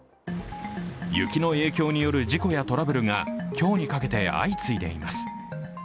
雪の影響による事故やトラブルが今日にかけて相次いでいます。